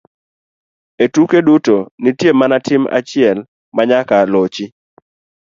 E tuke duto, nitie mana tim achiel ma nyaka lochi